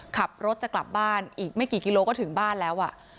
ขับรถจะกลับบ้านอีกไม่กี่กิโลก็ถึงบ้านแล้ว